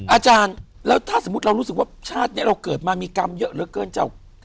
อาจารย์แล้วถ้าสมมุติเรารู้สึกว่าชาตินี้เราเกิดมามีกรรมเยอะเหลือเกินเจ้า